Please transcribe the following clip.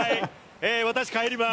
私帰ります。